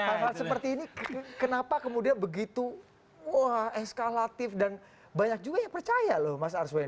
hal hal seperti ini kenapa kemudian begitu wah eskalatif dan banyak juga yang percaya loh mas arswendo